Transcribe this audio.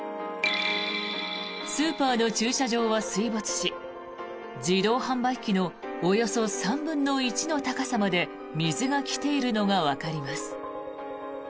スーパーの駐車場は水没し自動販売機のおよそ３分の１の高さまで水が来ているのがわかります。